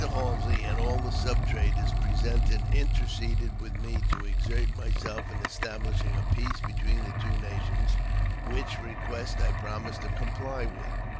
Halsey and all the sub traders present interceded with me to exert myself in establishing a peace between the two nations, which request I promised to comply with.